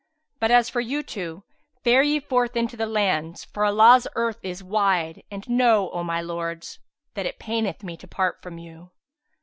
But as for you two, fare ye forth into the lands, for Allah's earth is wide; and know, O my lords, that it paineth me to part from you."